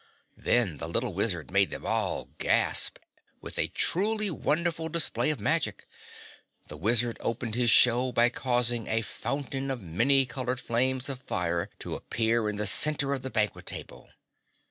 Then the Little Wizard made them all gasp with a truly wonderful display of magic. The Wizard opened his show by causing a fountain of many colored flames of fire to appear in the center of the banquet table.